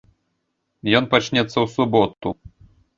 Ён пачнецца ў суботу.